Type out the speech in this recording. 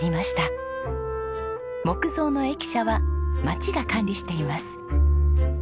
木造の駅舎は町が管理しています。